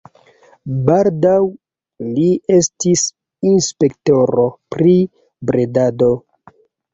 Baldaŭ li estis inspektoro pri bredado.